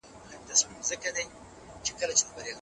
دا علم انساني ټولنې تر څېړنې لاندې نیسي.